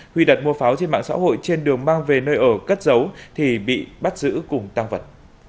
huy đặt mua pháo trên mạng xã hội trên đường mang về nơi ở cất giấu thì bị bắt giữ cùng tăng vật